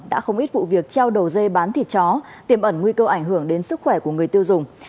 đã không ít vụ việc treo đầu dây bán thịt chó tiêm ẩn nguy cơ ảnh hưởng đến sức khỏe của người tiêu dùng